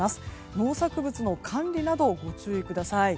農作物の管理などご注意ください。